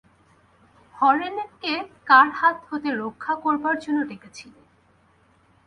হরেনকে কার হাত হতে রক্ষা করবার জন্য ডেকেছিলে।